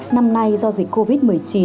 năm nay do dịch covid một mươi chín